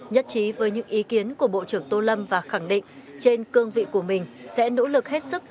nhất trí với những ý kiến của bộ trưởng tô lâm và khẳng định trên cương vị của mình sẽ nỗ lực hết sức